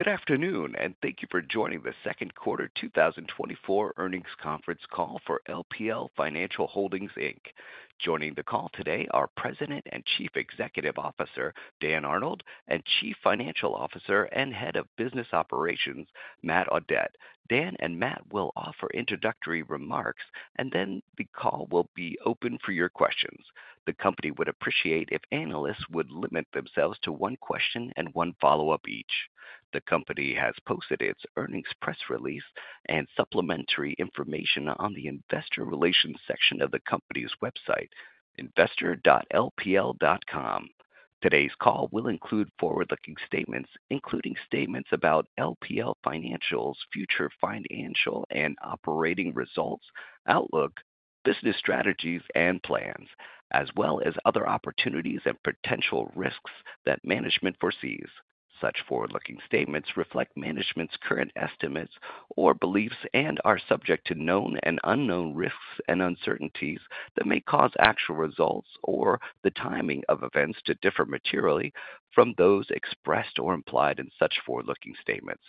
Good afternoon and thank you for joining the second quarter 2024 earnings conference call for LPL Financial Holdings, Inc. Joining the call today are President and Chief Executive Officer Dan Arnold and Chief Financial Officer and Head of Business Operations Matt Audette. Dan and Matt will offer introductory remarks, and then the call will be open for your questions. The company would appreciate if analysts would limit themselves to one question and one follow-up each. The company has posted its earnings press release and supplementary information on the investor relations section of the company's website, investor.lpl.com. Today's call will include forward-looking statements, including statements about LPL Financial's future financial and operating results, outlook, business strategies, and plans, as well as other opportunities and potential risks that management foresees. Such forward-looking statements reflect management's current estimates or beliefs and are subject to known and unknown risks and uncertainties that may cause actual results or the timing of events to differ materially from those expressed or implied in such forward-looking statements.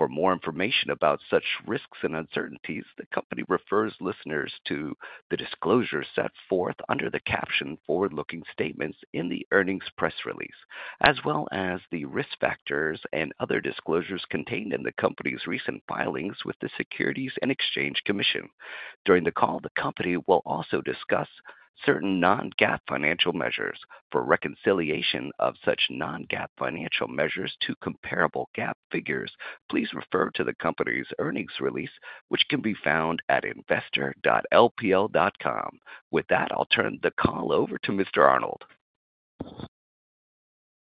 For more information about such risks and uncertainties, the company refers listeners to the disclosures set forth under the caption "Forward-looking Statements" in the earnings press release, as well as the risk factors and other disclosures contained in the company's recent filings with the Securities and Exchange Commission. During the call, the company will also discuss certain non-GAAP financial measures. For reconciliation of such non-GAAP financial measures to comparable GAAP figures, please refer to the company's earnings release, which can be found at investor.lpl.com. With that, I'll turn the call over to Mr. Arnold.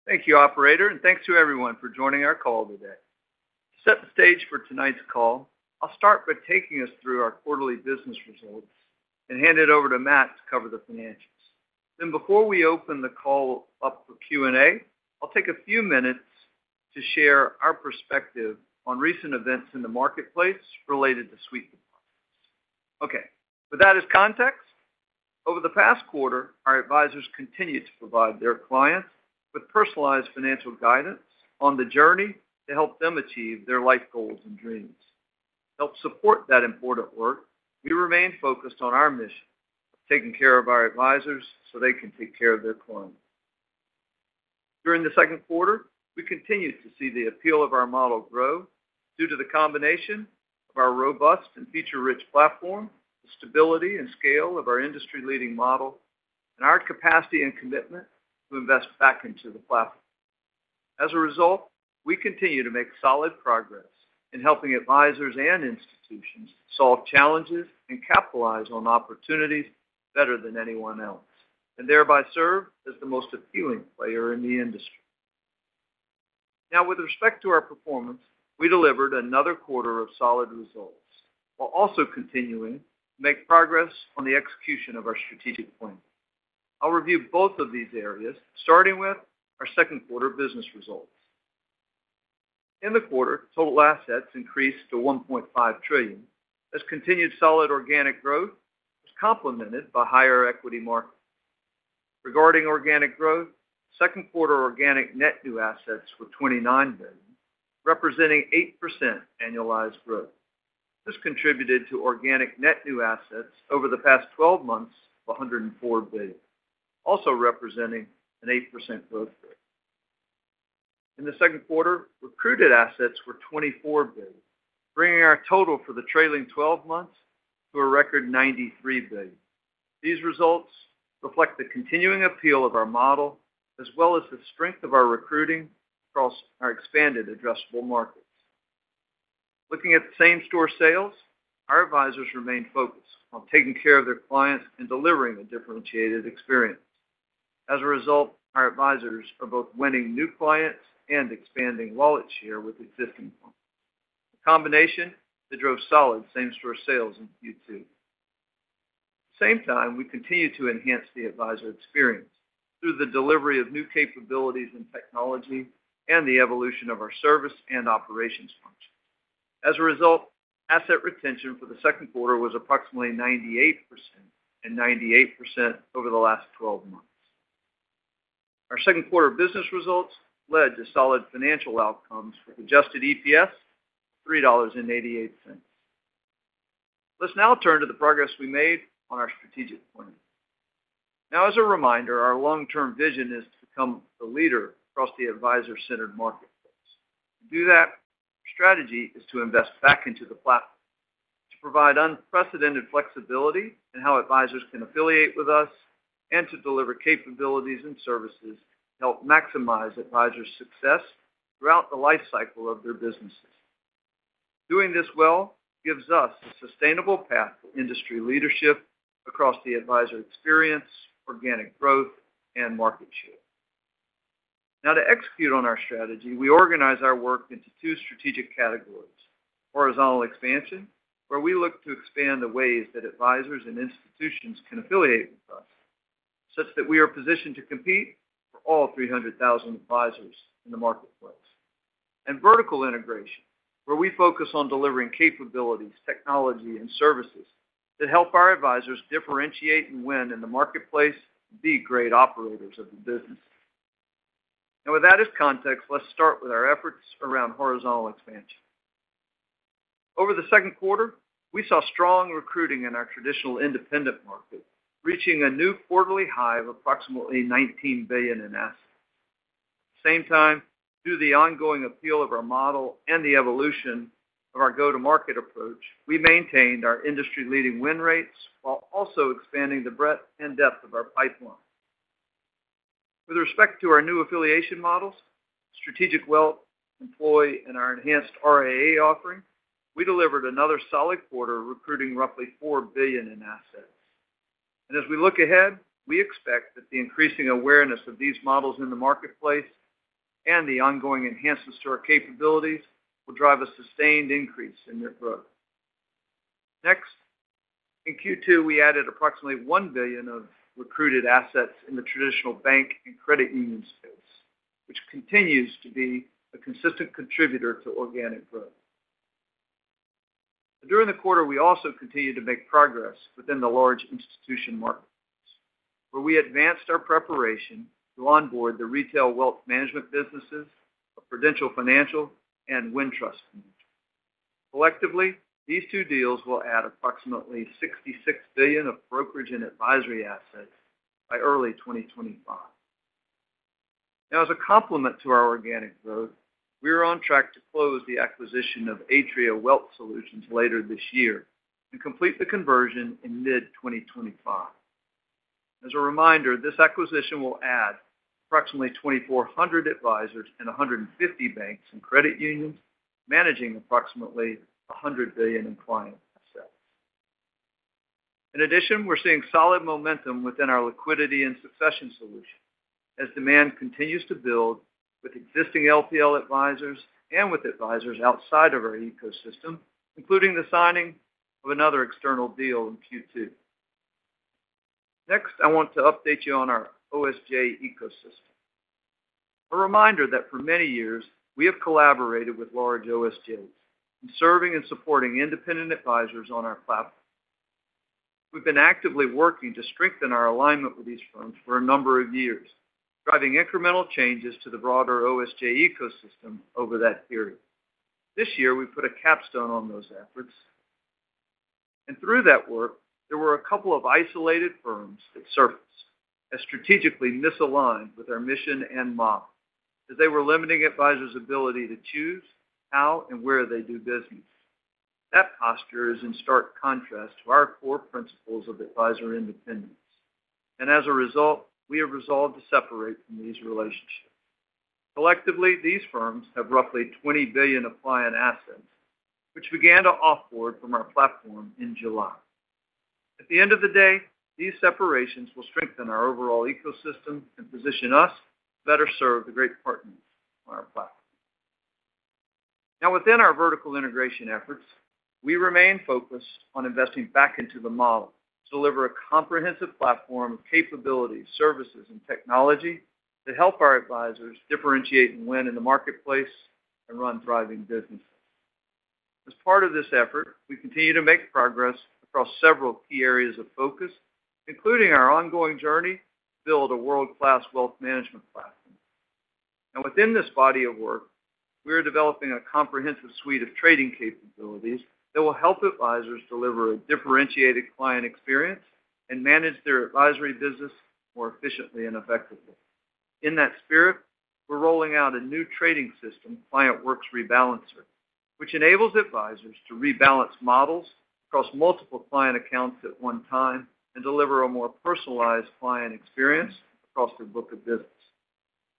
Thank you, Operator, and thanks to everyone for joining our call today. To set the stage for tonight's call, I'll start by taking us through our quarterly business results and hand it over to Matt to cover the financials. Then, before we open the call up for Q&A, I'll take a few minutes to share our perspective on recent events in the marketplace related to sweep. Okay, with that as context, over the past quarter, our advisors continued to provide their clients with personalized financial guidance on the journey to help them achieve their life goals and dreams. To help support that important work, we remained focused on our mission of taking care of our advisors so they can take care of their clients. During the second quarter, we continued to see the appeal of our model grow due to the combination of our robust and feature-rich platform, the stability and scale of our industry-leading model, and our capacity and commitment to invest back into the platform. As a result, we continue to make solid progress in helping advisors and institutions solve challenges and capitalize on opportunities better than anyone else, and thereby serve as the most appealing player in the industry. Now, with respect to our performance, we delivered another quarter of solid results while also continuing to make progress on the execution of our strategic plan. I'll review both of these areas, starting with our second quarter business results. In the quarter, total assets increased to $1.5 trillion, as continued solid organic growth was complemented by higher equity markets. Regarding organic growth, second quarter organic net new assets were $29 billion, representing 8% annualized growth. This contributed to organic net new assets over the past 12 months of $104 billion, also representing an 8% growth rate. In the second quarter, recruited assets were $24 billion, bringing our total for the trailing 12 months to a record $93 billion. These results reflect the continuing appeal of our model, as well as the strength of our recruiting across our expanded addressable markets. Looking at same-store sales, our advisors remained focused on taking care of their clients and delivering a differentiated experience. As a result, our advisors are both winning new clients and expanding wallet share with existing clients. A combination that drove solid same-store sales in Q2. At the same time, we continue to enhance the advisor experience through the delivery of new capabilities and technology and the evolution of our service and operations functions. As a result, asset retention for the second quarter was approximately 98% and 98% over the last 12 months. Our second quarter business results led to solid financial outcomes with Adjusted EPS of $3.88. Let's now turn to the progress we made on our strategic plan. Now, as a reminder, our long-term vision is to become the leader across the advisor-centered marketplace. To do that, our strategy is to invest back into the platform to provide unprecedented flexibility in how advisors can affiliate with us and to deliver capabilities and services to help maximize advisors' success throughout the life cycle of their businesses. Doing this well gives us a sustainable path to industry leadership across the advisor experience, organic growth, and market share. Now, to execute on our strategy, we organize our work into two strategic categories: horizontal expansion, where we look to expand the ways that advisors and institutions can affiliate with us such that we are positioned to compete for all 300,000 advisors in the marketplace; and vertical integration, where we focus on delivering capabilities, technology, and services that help our advisors differentiate and win in the marketplace and be great operators of the business. With that as context, let's start with our efforts around horizontal expansion. Over the second quarter, we saw strong recruiting in our traditional independent market, reaching a new quarterly high of approximately $19 billion in assets. At the same time, due to the ongoing appeal of our model and the evolution of our go-to-market approach, we maintained our industry-leading win rates while also expanding the breadth and depth of our pipeline. With respect to our new affiliation models, Strategic Wealth, Employee, and our enhanced RAA offering, we delivered another solid quarter recruiting roughly $4 billion in assets. And as we look ahead, we expect that the increasing awareness of these models in the marketplace and the ongoing enhancements to our capabilities will drive a sustained increase in their growth. Next, in Q2, we added approximately $1 billion of recruited assets in the traditional bank and credit union space, which continues to be a consistent contributor to organic growth. During the quarter, we also continued to make progress within the large institution marketplace, where we advanced our preparation to onboard the retail wealth management businesses of Prudential Financial and Wintrust Financial. Collectively, these two deals will add approximately $66 billion of brokerage and advisory assets by early 2025. Now, as a complement to our organic growth, we are on track to close the acquisition of Atria Wealth Solutions later this year and complete the conversion in mid-2025. As a reminder, this acquisition will add approximately 2,400 advisors and 150 banks and credit unions, managing approximately $100 billion in client assets. In addition, we're seeing solid momentum within our liquidity and succession solution as demand continues to build with existing LPL advisors and with advisors outside of our ecosystem, including the signing of another external deal in Q2. Next, I want to update you on our OSJ ecosystem. A reminder that for many years, we have collaborated with large OSJs in serving and supporting independent advisors on our platform. We've been actively working to strengthen our alignment with these firms for a number of years, driving incremental changes to the broader OSJ ecosystem over that period. This year, we put a capstone on those efforts. And through that work, there were a couple of isolated firms that surfaced as strategically misaligned with our mission and model as they were limiting advisors' ability to choose how and where they do business. That posture is in stark contrast to our core principles of advisor independence. And as a result, we have resolved to separate from these relationships. Collectively, these firms have roughly $20 billion of client assets, which began to offboard from our platform in July. At the end of the day, these separations will strengthen our overall ecosystem and position us to better serve the great partners on our platform. Now, within our vertical integration efforts, we remain focused on investing back into the model to deliver a comprehensive platform of capabilities, services, and technology that help our advisors differentiate and win in the marketplace and run thriving businesses. As part of this effort, we continue to make progress across several key areas of focus, including our ongoing journey to build a world-class wealth management platform. Now, within this body of work, we are developing a comprehensive suite of trading capabilities that will help advisors deliver a differentiated client experience and manage their advisory business more efficiently and effectively. In that spirit, we're rolling out a new trading system, ClientWorks Rebalancer, which enables advisors to rebalance models across multiple client accounts at one time and deliver a more personalized client experience across their book of business.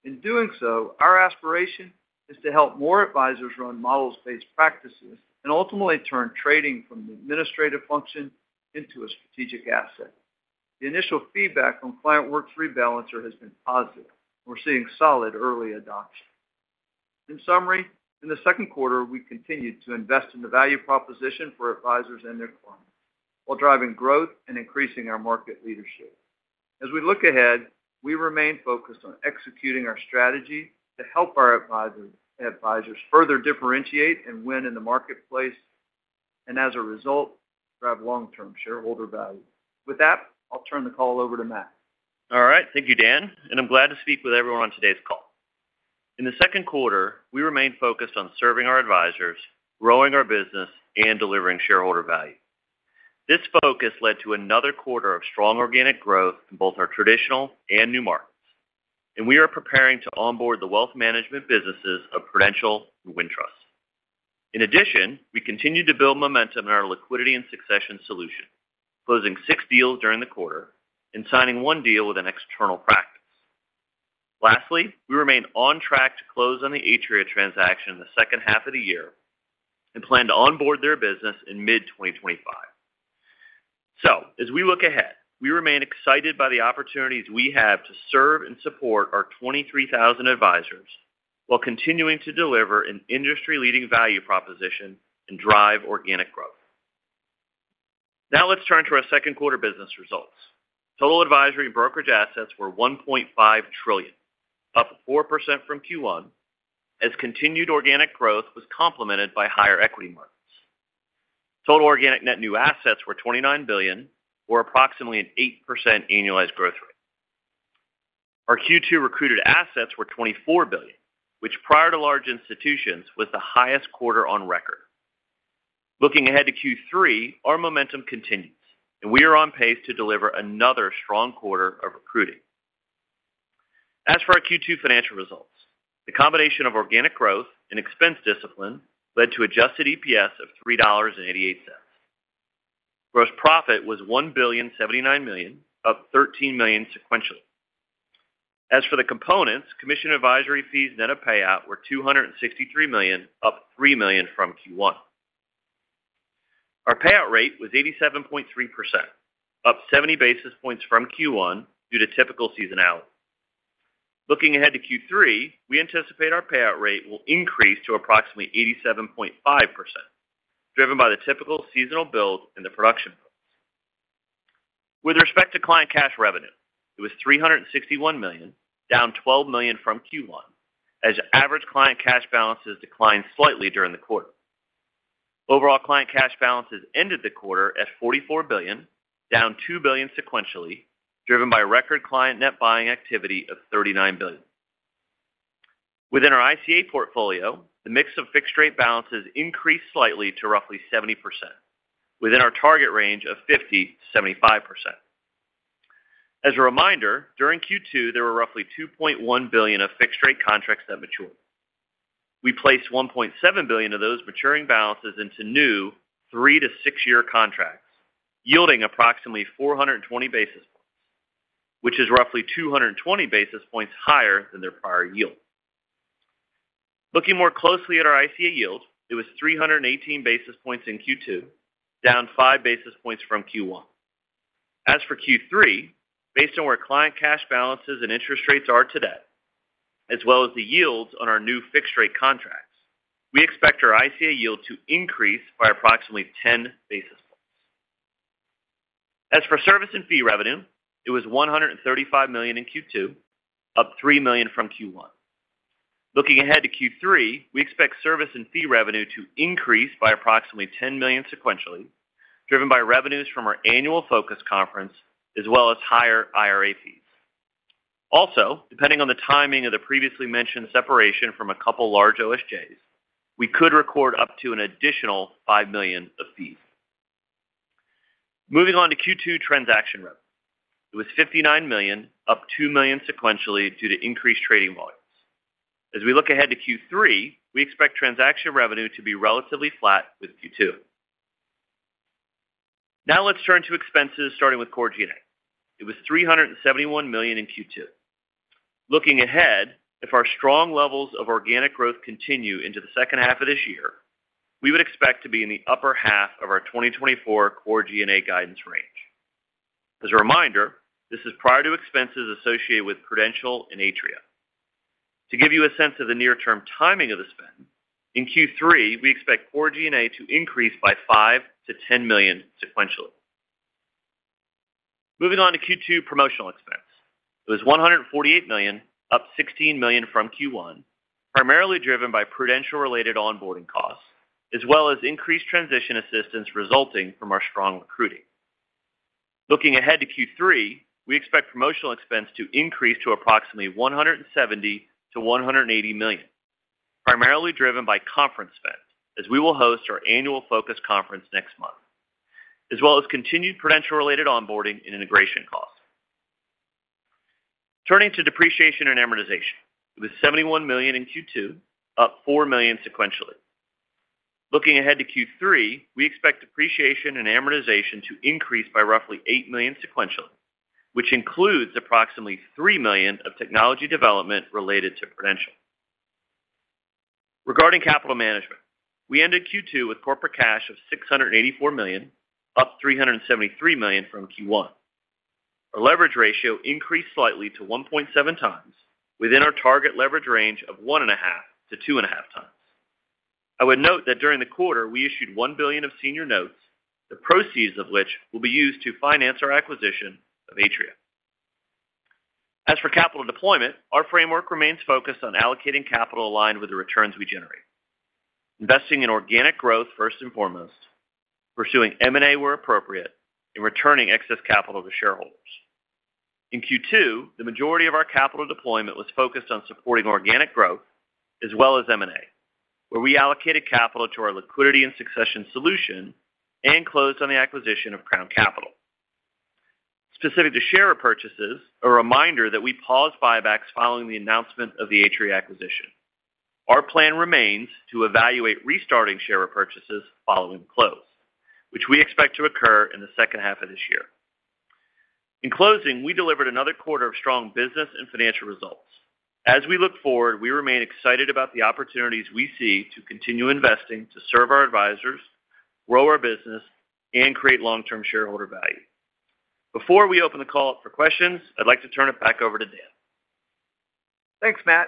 In doing so, our aspiration is to help more advisors run model-based practices and ultimately turn trading from an administrative function into a strategic asset. The initial feedback on ClientWorks Rebalancer has been positive, and we're seeing solid early adoption. In summary, in the second quarter, we continued to invest in the value proposition for advisors and their clients while driving growth and increasing our market leadership. As we look ahead, we remain focused on executing our strategy to help our advisors further differentiate and win in the marketplace and, as a result, drive long-term shareholder value. With that, I'll turn the call over to Matt. All right. Thank you, Dan. I'm glad to speak with everyone on today's call. In the second quarter, we remained focused on serving our advisors, growing our business, and delivering shareholder value. This focus led to another quarter of strong organic growth in both our traditional and new markets. We are preparing to onboard the wealth management businesses of Prudential and Wintrust. In addition, we continue to build momentum in our liquidity and succession solution, closing 6 deals during the quarter and signing 1 deal with an external practice. Lastly, we remain on track to close on the Atria transaction in the second half of the year and plan to onboard their business in mid-2025. As we look ahead, we remain excited by the opportunities we have to serve and support our 23,000 advisors while continuing to deliver an industry-leading value proposition and drive organic growth. Now, let's turn to our second quarter business results. Total advisory and brokerage assets were $1.5 trillion, up 4% from Q1, as continued organic growth was complemented by higher equity markets. Total organic net new assets were $29 billion, or approximately an 8% annualized growth rate. Our Q2 recruited assets were $24 billion, which, prior to large institutions, was the highest quarter on record. Looking ahead to Q3, our momentum continues, and we are on pace to deliver another strong quarter of recruiting. As for our Q2 financial results, the combination of organic growth and expense discipline led to adjusted EPS of $3.88. Gross profit was $1.079 billion, up $13 million sequentially. As for the components, commission advisory fees net of payout were $263 million, up $3 million from Q1. Our payout rate was 87.3%, up 70 basis points from Q1 due to typical seasonality. Looking ahead to Q3, we anticipate our payout rate will increase to approximately 87.5%, driven by the typical seasonal build and the production builds. With respect to client cash revenue, it was $361 million, down $12 million from Q1, as average client cash balances declined slightly during the quarter. Overall client cash balances ended the quarter at $44 billion, down $2 billion sequentially, driven by record client net buying activity of $39 billion. Within our ICA portfolio, the mix of fixed-rate balances increased slightly to roughly 70%, within our target range of 50%-75%. As a reminder, during Q2, there were roughly $2.1 billion of fixed-rate contracts that matured. We placed $1.7 billion of those maturing balances into new 3- to 6-year contracts, yielding approximately 420 basis points, which is roughly 220 basis points higher than their prior yield. Looking more closely at our ICA yield, it was 318 basis points in Q2, down 5 basis points from Q1. As for Q3, based on where client cash balances and interest rates are today, as well as the yields on our new fixed-rate contracts, we expect our ICA yield to increase by approximately 10 basis points. As for service and fee revenue, it was $135 million in Q2, up $3 million from Q1. Looking ahead to Q3, we expect service and fee revenue to increase by approximately $10 million sequentially, driven by revenues from our annual Focus conference as well as higher IRA fees. Also, depending on the timing of the previously mentioned separation from a couple large OSJs, we could record up to an additional $5 million of fees. Moving on to Q2 transaction revenue, it was $59 million, up $2 million sequentially due to increased trading volumes. As we look ahead to Q3, we expect transaction revenue to be relatively flat with Q2. Now, let's turn to expenses, starting with core G&A. It was $371 million in Q2. Looking ahead, if our strong levels of organic growth continue into the second half of this year, we would expect to be in the upper half of our 2024 core G&A guidance range. As a reminder, this is prior to expenses associated with Prudential and Atria. To give you a sense of the near-term timing of this spend, in Q3, we expect core G&A to increase by $5 million-$10 million sequentially. Moving on to Q2 promotional expense, it was $148 million, up $16 million from Q1, primarily driven by Prudential-related onboarding costs as well as increased transition assistance resulting from our strong recruiting. Looking ahead to Q3, we expect promotional expense to increase to approximately $170 million-$180 million, primarily driven by conference spend as we will host our annual Focus conference next month, as well as continued Prudential-related onboarding and integration costs. Turning to depreciation and amortization, it was $71 million in Q2, up $4 million sequentially. Looking ahead to Q3, we expect depreciation and amortization to increase by roughly $8 million sequentially, which includes approximately $3 million of technology development related to Prudential. Regarding capital management, we ended Q2 with corporate cash of $684 million, up $373 million from Q1. Our leverage ratio increased slightly to 1.7 times within our target leverage range of 1.5 to 2.5 times. I would note that during the quarter, we issued $1 billion of senior notes, the proceeds of which will be used to finance our acquisition of Atria. As for capital deployment, our framework remains focused on allocating capital aligned with the returns we generate, investing in organic growth first and foremost, pursuing M&A where appropriate, and returning excess capital to shareholders. In Q2, the majority of our capital deployment was focused on supporting organic growth as well as M&A, where we allocated capital to our liquidity and succession solution and closed on the acquisition of Crown Capital. Specific to share repurchases, a reminder that we paused buybacks following the announcement of the Atria acquisition. Our plan remains to evaluate restarting share repurchases following the close, which we expect to occur in the second half of this year. In closing, we delivered another quarter of strong business and financial results. As we look forward, we remain excited about the opportunities we see to continue investing to serve our advisors, grow our business, and create long-term shareholder value. Before we open the call up for questions, I'd like to turn it back over to Dan. Thanks, Matt.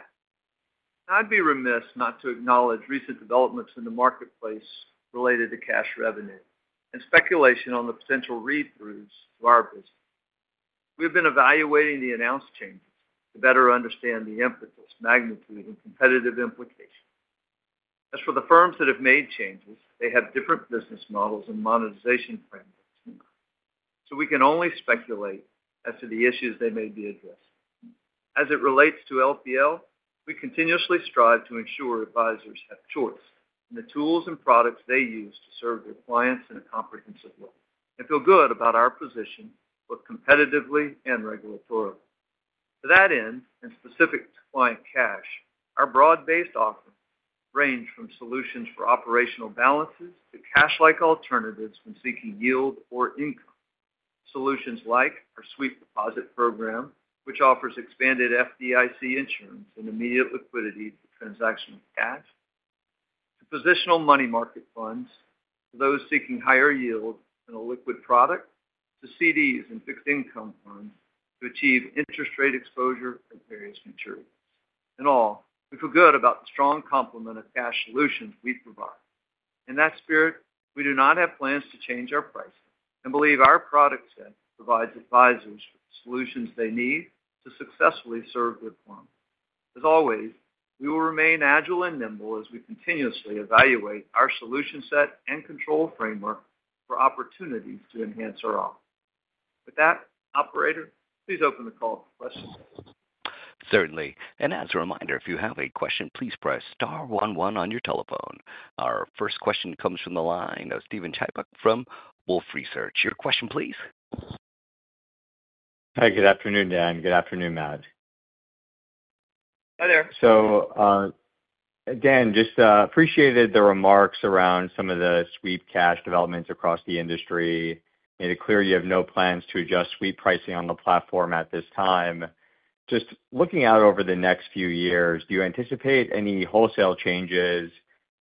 I'd be remiss not to acknowledge recent developments in the marketplace related to cash revenue and speculation on the potential read-throughs to our business. We have been evaluating the announced changes to better understand the impetus, magnitude, and competitive implications. As for the firms that have made changes, they have different business models and monetization frameworks, so we can only speculate as to the issues they may be addressing. As it relates to LPL, we continuously strive to ensure advisors have choice in the tools and products they use to serve their clients in a comprehensive way and feel good about our position both competitively and regulatorily. To that end, and specific to client cash, our broad-based offerings range from solutions for operational balances to cash-like alternatives when seeking yield or income. Solutions like our sweep deposit program, which offers expanded FDIC insurance and immediate liquidity to transactional cash, to positional money market funds for those seeking higher yield and a liquid product, to CDs and fixed income funds to achieve interest rate exposure at various maturities. In all, we feel good about the strong complement of cash solutions we provide. In that spirit, we do not have plans to change our pricing and believe our product set provides advisors with the solutions they need to successfully serve their clients. As always, we will remain agile and nimble as we continuously evaluate our solution set and control framework for opportunities to enhance our offerings. With that, Operator, please open the call for questions. Certainly. And as a reminder, if you have a question, please press star 11 on your telephone. Our first question comes from the line of Steven Chubak from Wolfe Research. Your question, please. Hi. Good afternoon, Dan. Good afternoon, Matt. Hi there. So, Dan, just appreciated the remarks around some of the sweep cash developments across the industry. Made it clear you have no plans to adjust sweep pricing on the platform at this time. Just looking out over the next few years, do you anticipate any wholesale changes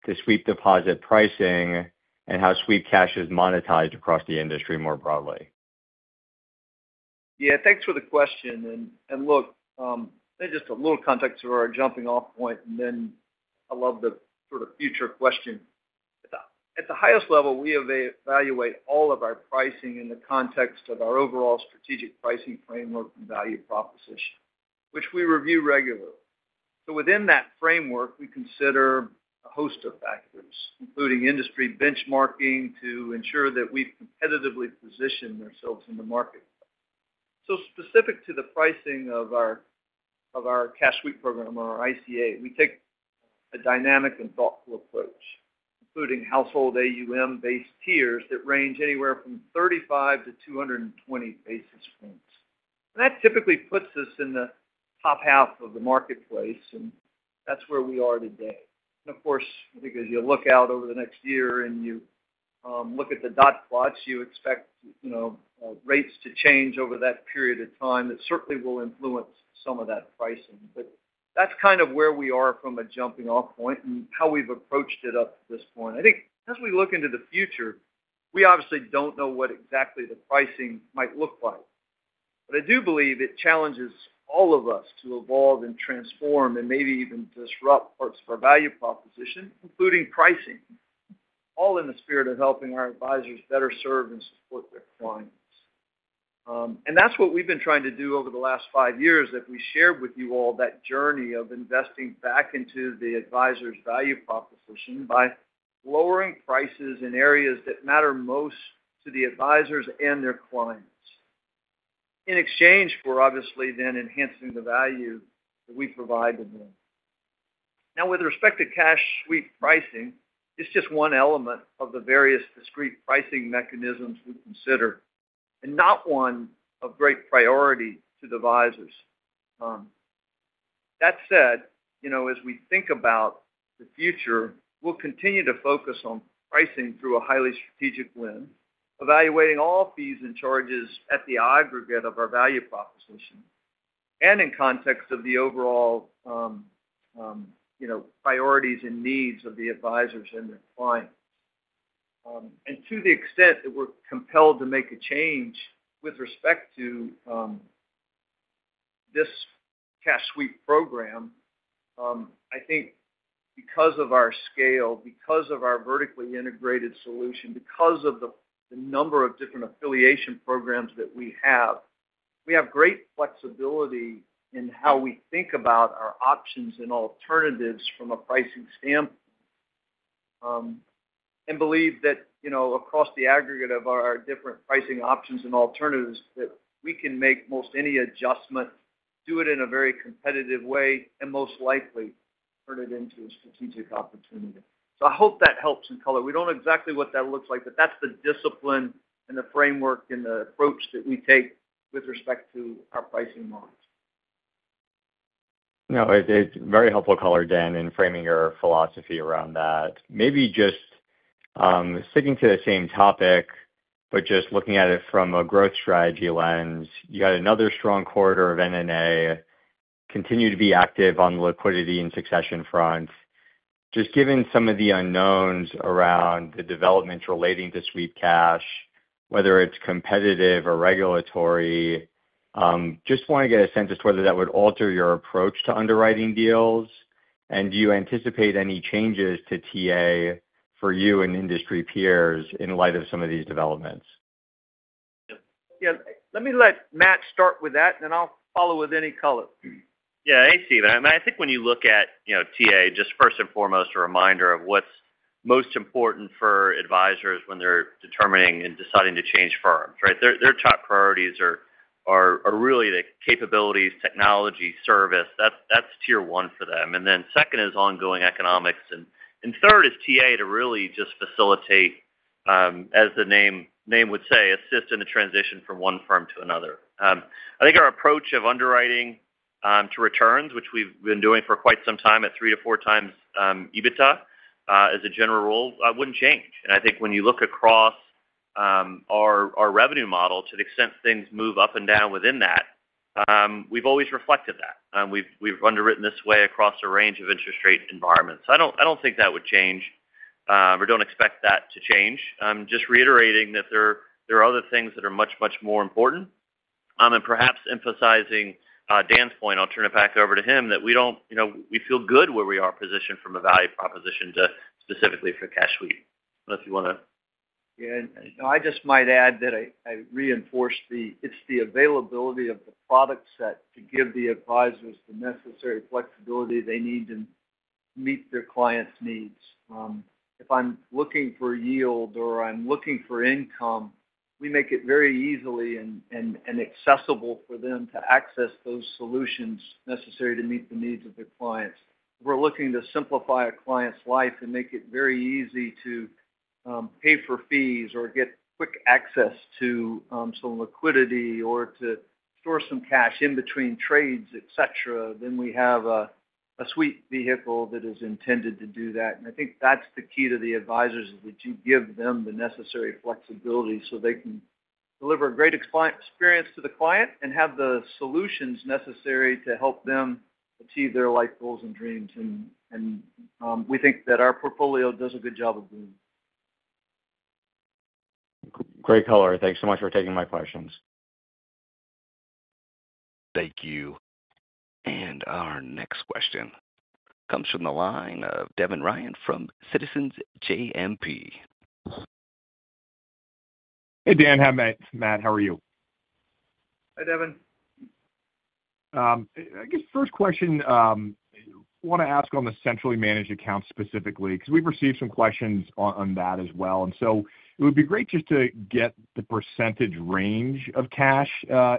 to sweep deposit pricing and how sweep cash is monetized across the industry more broadly? Yeah. Thanks for the question. And look, just a little context for our jumping-off point, and then I'll leave the sort of future question. At the highest level, we evaluate all of our pricing in the context of our overall strategic pricing framework and value proposition, which we review regularly. So, within that framework, we consider a host of factors, including industry benchmarking to ensure that we've competitively positioned ourselves in the marketplace. So specific to the pricing of our cash sweep program or our ICA, we take a dynamic and thoughtful approach, including household AUM-based tiers that range anywhere from 35-220 basis points. And that typically puts us in the top half of the marketplace, and that's where we are today. And of course, I think as you look out over the next year and you look at the dot plots, you expect rates to change over that period of time that certainly will influence some of that pricing. But that's kind of where we are from a jumping-off point and how we've approached it up to this point. I think as we look into the future, we obviously don't know what exactly the pricing might look like. But I do believe it challenges all of us to evolve and transform and maybe even disrupt parts of our value proposition, including pricing, all in the spirit of helping our advisors better serve and support their clients. That's what we've been trying to do over the last five years, that we share with you all that journey of investing back into the advisor's value proposition by lowering prices in areas that matter most to the advisors and their clients, in exchange for obviously then enhancing the value that we provide to them. Now, with respect to cash sweep pricing, it's just one element of the various discrete pricing mechanisms we consider and not one of great priority to the advisors. That said, as we think about the future, we'll continue to focus on pricing through a highly strategic lens, evaluating all fees and charges at the aggregate of our value proposition and in context of the overall priorities and needs of the advisors and their clients. To the extent that we're compelled to make a change with respect to this cash sweep program, I think because of our scale, because of our vertically integrated solution, because of the number of different affiliation programs that we have, we have great flexibility in how we think about our options and alternatives from a pricing standpoint. And believe that across the aggregate of our different pricing options and alternatives, that we can make most any adjustment, do it in a very competitive way, and most likely turn it into a strategic opportunity. I hope that helps in color. We don't know exactly what that looks like, but that's the discipline and the framework and the approach that we take with respect to our pricing models. No, it's very helpful color, Dan, in framing your philosophy around that. Maybe just sticking to the same topic but just looking at it from a growth strategy lens, you had another strong quarter of NNA, continue to be active on the liquidity and succession front. Just given some of the unknowns around the developments relating to sweep cash, whether it's competitive or regulatory, just want to get a sense as to whether that would alter your approach to underwriting deals. And do you anticipate any changes to TA for you and industry peers in light of some of these developments? Yeah. Let me let Matt start with that, and then I'll follow with any color. Yeah. Hey, Steven. I think when you look at TA, just first and foremost, a reminder of what's most important for advisors when they're determining and deciding to change firms, right? Their top priorities are really the capabilities, technology, service. That's tier one for them. And then second is ongoing economics. And third is TA to really just facilitate, as the name would say, assist in the transition from one firm to another. I think our approach of underwriting to returns, which we've been doing for quite some time at 3x-4x EBITDA as a general rule, wouldn't change. And I think when you look across our revenue model, to the extent things move up and down within that, we've always reflected that. We've underwritten this way across a range of interest rate environments. I don't think that would change. We don't expect that to change. Just reiterating that there are other things that are much, much more important. Perhaps emphasizing Dan's point, I'll turn it back over to him, that we feel good where we are positioned from a value proposition to specifically for cash sweep. I don't know if you want to. Yeah. And I just might add that I reinforce that it's the availability of the product set to give the advisors the necessary flexibility they need to meet their clients' needs. If I'm looking for yield or I'm looking for income, we make it very easily and accessible for them to access those solutions necessary to meet the needs of their clients. If we're looking to simplify a client's life and make it very easy to pay for fees or get quick access to some liquidity or to store some cash in between trades, etc., then we have a sweep vehicle that is intended to do that. And I think that's the key to the advisors is that you give them the necessary flexibility so they can deliver a great experience to the client and have the solutions necessary to help them achieve their life goals and dreams. We think that our portfolio does a good job of doing that. Great color. Thanks so much for taking my questions. Thank you. Our next question comes from the line of Devin Ryan from Citizens JMP. Hey, Dan. Hi, Matt. Matt, how are you? Hi, Devin. I guess first question, want to ask on the Centrally Managed Accounts specifically because we've received some questions on that as well. And so it would be great just to get the percentage range of cash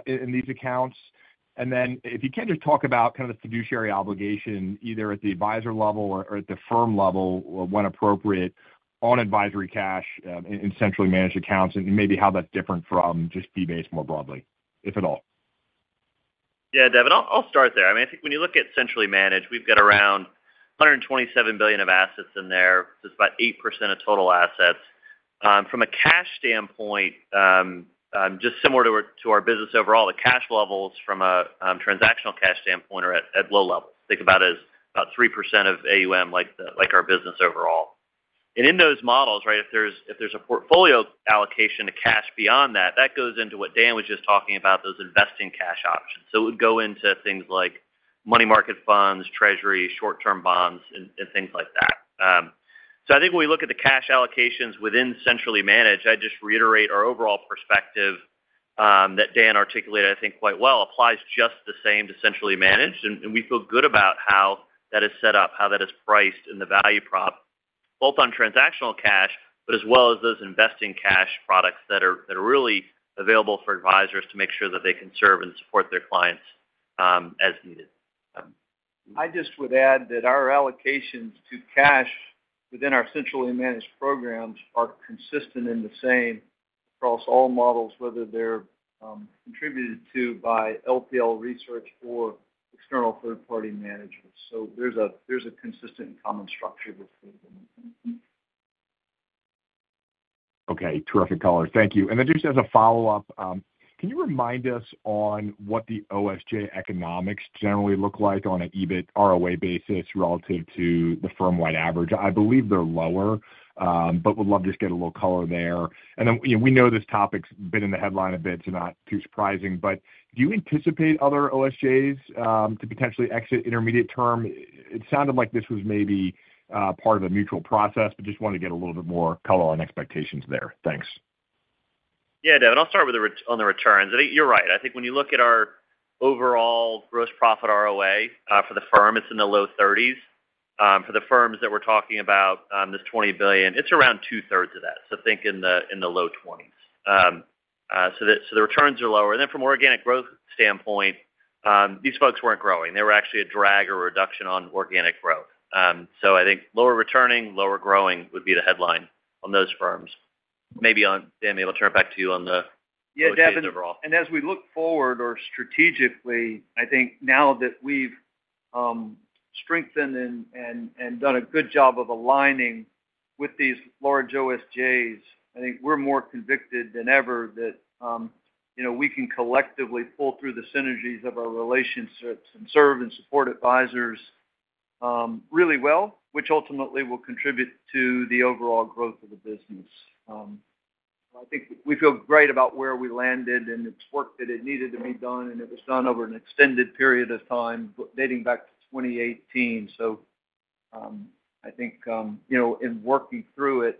in these accounts. And then if you can just talk about kind of the fiduciary obligation either at the advisor level or at the firm level or when appropriate on advisory cash in Centrally Managed Accounts and maybe how that's different from just fee-based more broadly, if at all. Yeah, Devin, I'll start there. I mean, I think when you look at centrally managed, we've got around $127 billion of assets in there. It's about 8% of total assets. From a cash standpoint, just similar to our business overall, the cash levels from a transactional cash standpoint are at low levels. Think about it as about 3% of AUM like our business overall. And in those models, right, if there's a portfolio allocation to cash beyond that, that goes into what Dan was just talking about, those investing cash options. So, it would go into things like money market funds, treasuries, short-term bonds, and things like that. So, I think when we look at the cash allocations within centrally managed, I just reiterate our overall perspective that Dan articulated, I think, quite well applies just the same to centrally managed. We feel good about how that is set up, how that is priced in the value prop, both on transactional cash, but as well as those investing cash products that are really available for advisors to make sure that they can serve and support their clients as needed. I just would add that our allocations to cash within our centrally managed programs are consistent and the same across all models, whether they're contributed to by LPL Research or external third-party managers. So, there's a consistent and common structure. Okay. Terrific color. Thank you. And then just as a follow-up, can you remind us on what the OSJ economics generally look like on an EBIT ROA basis relative to the firm-wide average? I believe they're lower but would love to just get a little color there. And then we know this topic's been in the headline a bit, so not too surprising. But do you anticipate other OSJs to potentially exit intermediate term? It sounded like this was maybe part of a mutual process but just wanted to get a little bit more color on expectations there. Thanks. Yeah, Devin. I'll start on the returns. I think you're right. I think when you look at our overall gross profit ROA for the firm, it's in the low 30s. For the firms that we're talking about, this $20 billion, it's around two-thirds of that. So, think in the low 20s. So, the returns are lower. And then from an organic growth standpoint, these folks weren't growing. They were actually a drag or a reduction on organic growth. So, I think lower returning, lower growing would be the headline on those firms. Maybe, Dan, maybe I'll turn it back to you on the returns overall. Yeah, Devin. And as we look forward or strategically, I think now that we've strengthened and done a good job of aligning with these large OSJs, I think we're more convicted than ever that we can collectively pull through the synergies of our relationships and serve and support advisors really well, which ultimately will contribute to the overall growth of the business. I think we feel great about where we landed, and it's work that needed to be done, and it was done over an extended period of time dating back to 2018. So, I think in working through it,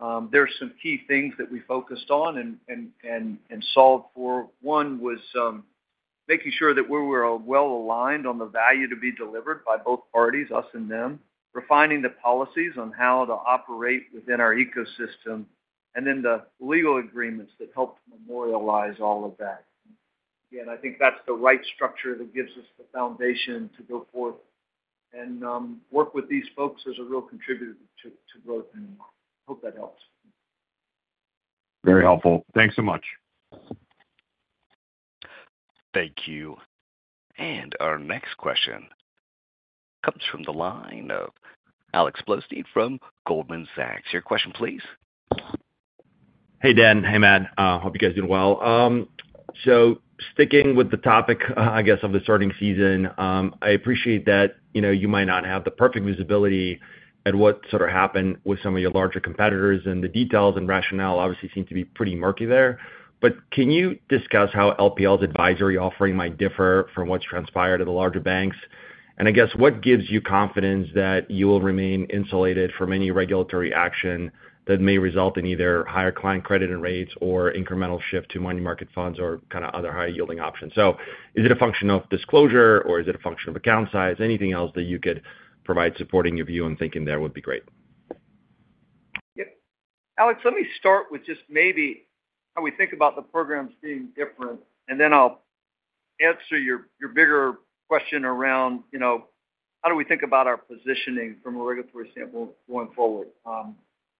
there are some key things that we focused on and solved for. One was making sure that we were well aligned on the value to be delivered by both parties, us and them, refining the policies on how to operate within our ecosystem, and then the legal agreements that helped memorialize all of that. Again, I think that's the right structure that gives us the foundation to go forth and work with these folks as a real contributor to growth. I hope that helps. Very helpful. Thanks so much. Thank you. And our next question comes from the line of Alex Blostein from Goldman Sachs. Your question, please. Hey, Dan. Hey, Matt. Hope you guys are doing well. So, sticking with the topic, I guess, of the hiring season, I appreciate that you might not have the perfect visibility into what sort of happened with some of your larger competitors, and the details and rationale obviously seem to be pretty murky there. But can you discuss how LPL's advisory offering might differ from what's transpired at the larger banks? And I guess what gives you confidence that you will remain insulated from any regulatory action that may result in either higher client cash rates or incremental shift to money market funds or kind of other higher yielding options? So, is it a function of disclosure, or is it a function of account size? Anything else that you could provide supporting your view and thinking there would be great. Yeah. Alex, let me start with just maybe how we think about the programs being different, and then I'll answer your bigger question around how do we think about our positioning from a regulatory standpoint going forward.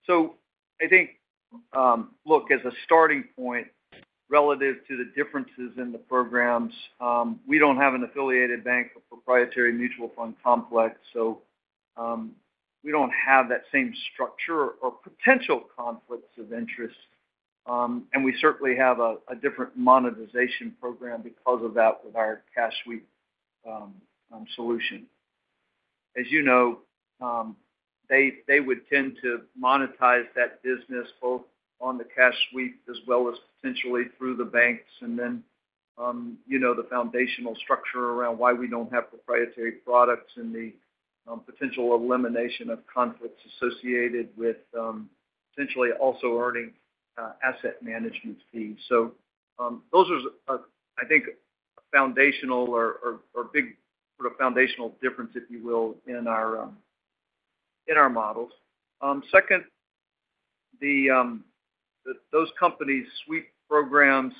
So, I think, look, as a starting point relative to the differences in the programs, we don't have an affiliated bank or proprietary mutual fund complex, so we don't have that same structure or potential conflicts of interest. And we certainly have a different monetization program because of that with our cash sweep solution. As you know, they would tend to monetize that business both on the cash sweep as well as potentially through the banks. And then the foundational structure around why we don't have proprietary products and the potential elimination of conflicts associated with potentially also earning asset management fees. So those are, I think, a foundational or big sort of foundational difference, if you will, in our models. Second, those companies' sweep programs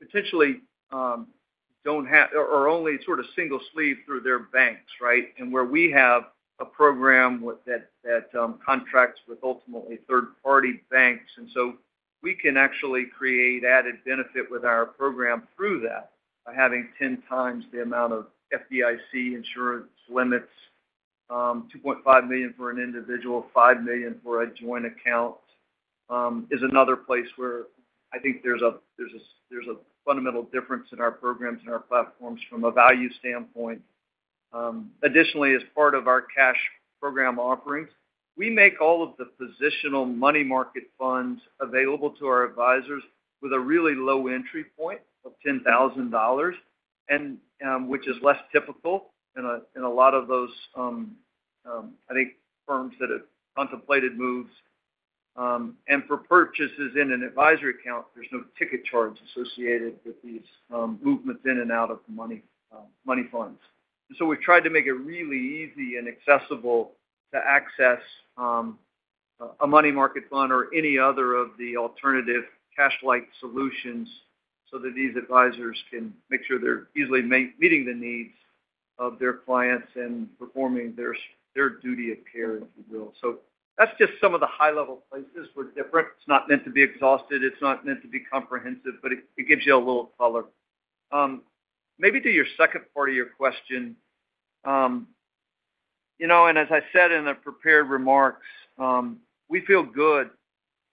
potentially don't have or only sort of single sleeve through their banks, right? And where we have a program that contracts with ultimately third-party banks. And so we can actually create added benefit with our program through that by having 10 times the amount of FDIC insurance limits, $2.5 million for an individual, $5 million for a joint account, is another place where I think there's a fundamental difference in our programs and our platforms from a value standpoint. Additionally, as part of our cash program offerings, we make all of the positional money market funds available to our advisors with a really low entry point of $10,000, which is less typical in a lot of those, I think, firms that have contemplated moves. For purchases in an advisory account, there's no ticket charge associated with these movements in and out of money funds. And so, we've tried to make it really easy and accessible to access a money market fund or any other of the alternative cash-like solutions so that these advisors can make sure they're easily meeting the needs of their clients and performing their duty of care, if you will. So, that's just some of the high-level places. We're different. It's not meant to be exhaustive. It's not meant to be comprehensive, but it gives you a little color. Maybe to your second part of your question, and as I said in the prepared remarks, we feel good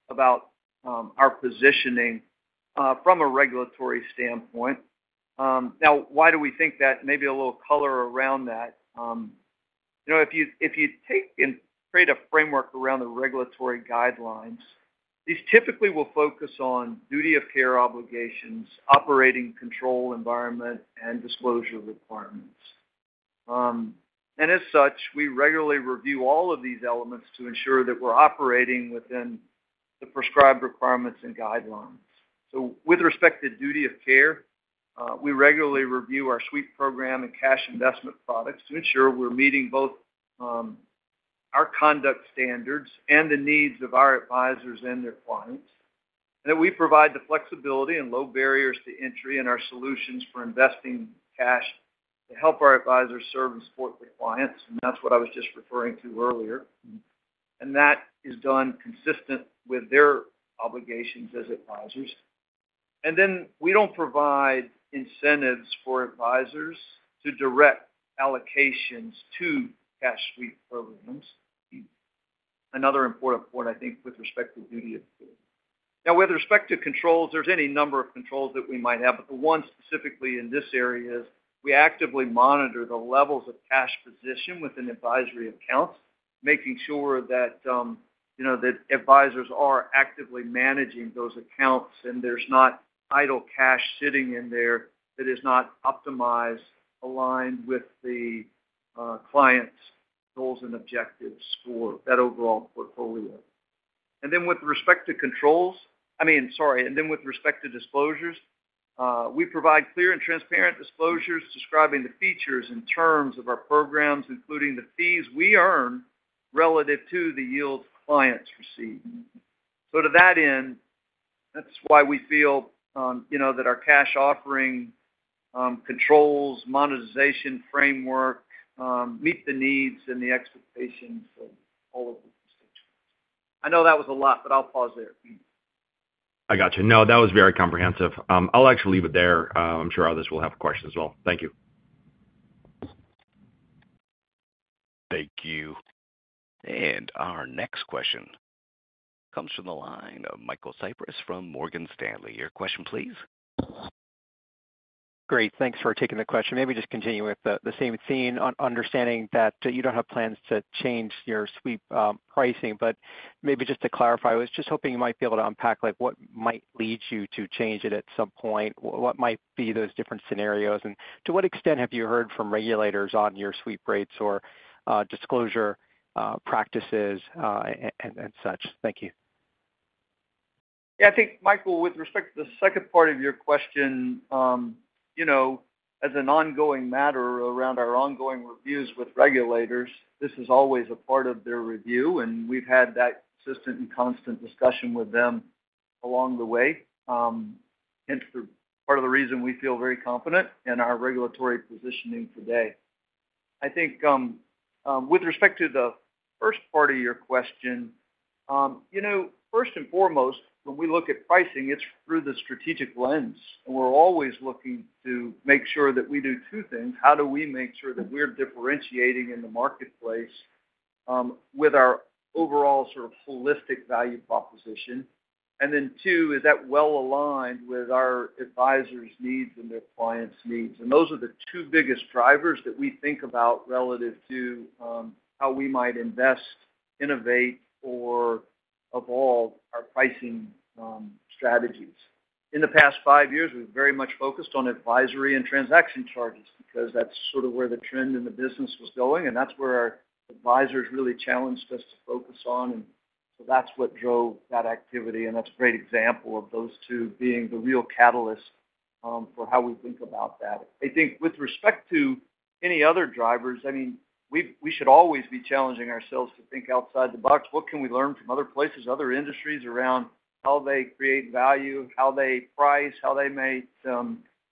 about our positioning from a regulatory standpoint. Now, why do we think that? Maybe a little color around that. If you take and create a framework around the regulatory guidelines, these typically will focus on duty of care obligations, operating control environment, and disclosure requirements. And as such, we regularly review all of these elements to ensure that we're operating within the prescribed requirements and guidelines. So, with respect to duty of care, we regularly review our sweep program and cash investment products to ensure we're meeting both our conduct standards and the needs of our advisors and their clients. And that we provide the flexibility and low barriers to entry in our solutions for investing cash to help our advisors serve and support the clients. And that's what I was just referring to earlier. And that is done consistent with their obligations as advisors. And then we don't provide incentives for advisors to direct allocations to cash sweep programs. Another important point, I think, with respect to duty of care. Now, with respect to controls, there's any number of controls that we might have, but the one specifically in this area is we actively monitor the levels of cash position within advisory accounts, making sure that advisors are actively managing those accounts and there's not idle cash sitting in there that is not optimized, aligned with the client's goals and objectives for that overall portfolio. And then with respect to controls, I mean, sorry, and then with respect to disclosures, we provide clear and transparent disclosures describing the features and terms of our programs, including the fees we earn relative to the yields clients receive. So, to that end, that's why we feel that our cash offering controls, monetization framework meets the needs and the expectations of all of the constituents. I know that was a lot, but I'll pause there. I gotcha. No, that was very comprehensive. I'll actually leave it there. I'm sure others will have questions as well. Thank you. Thank you. Our next question comes from the line of Michael Cyprys from Morgan Stanley. Your question, please. Great. Thanks for taking the question. Maybe just continue with the same theme on understanding that you don't have plans to change your sweep pricing. But maybe just to clarify, I was just hoping you might be able to unpack what might lead you to change it at some point. What might be those different scenarios? And to what extent have you heard from regulators on your sweep rates or disclosure practices and such? Thank you. Yeah. I think, Michael, with respect to the second part of your question, as an ongoing matter around our ongoing reviews with regulators, this is always a part of their review. And we've had that consistent and constant discussion with them along the way. Hence, part of the reason we feel very confident in our regulatory positioning today. I think with respect to the first part of your question, first and foremost, when we look at pricing, it's through the strategic lens. And we're always looking to make sure that we do two things. How do we make sure that we're differentiating in the marketplace with our overall sort of holistic value proposition? And then two, is that well aligned with our advisors' needs and their clients' needs? And those are the two biggest drivers that we think about relative to how we might invest, innovate, or evolve our pricing strategies. In the past five years, we've very much focused on advisory and transaction charges because that's sort of where the trend in the business was going. And that's where our advisors really challenged us to focus on. And so that's what drove that activity. And that's a great example of those two being the real catalyst for how we think about that. I think with respect to any other drivers, I mean, we should always be challenging ourselves to think outside the box. What can we learn from other places, other industries around how they create value, how they price, how they may